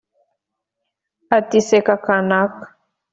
Ati seka kaanaka